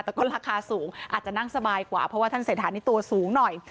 แต่ก็ราคาสูงอาจจะนั่งสบายกว่าเพราะว่าท่านเศรษฐานี่ตัวสูงหน่อย